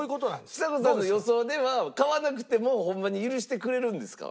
ちさ子さんの予想では買わなくてもホンマに許してくれるんですか？